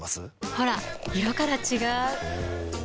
ほら色から違う！